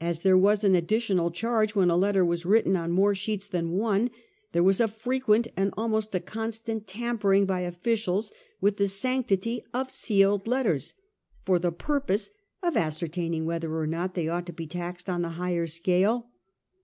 As there was an additional charge when a letter was written on more sheets than one, there was a frequent and almost a constant tampering by officials with the sanctity of sealed letters for the purpose of ascertaining whether or not they ought to be taxed on the higher scale.